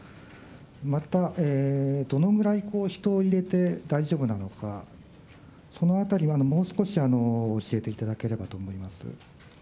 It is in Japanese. またどのぐらい人を入れて大丈夫なのか、そのあたり、もう少し教えていただければと思います。